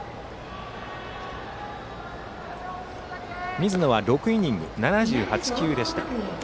水野は６イニング７８球でした。